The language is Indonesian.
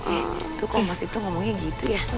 eh itu kok mas itu ngomongnya gitu ya